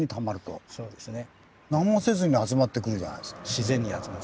自然に集まる。